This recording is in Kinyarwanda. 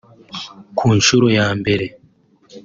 ku nshuro ya mbere